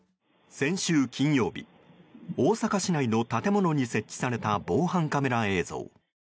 先週金曜日大阪市内の建物に設置された防犯カメラ映像。